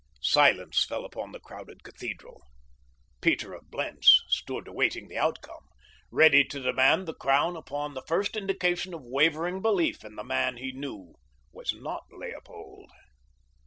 Silence fell upon the crowded cathedral. Peter of Blentz stood awaiting the outcome, ready to demand the crown upon the first indication of wavering belief in the man he knew was not Leopold.